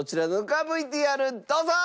ＶＴＲどうぞ！